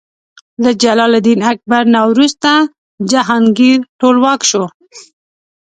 له جلال الدین اکبر نه وروسته جهانګیر ټولواک شو.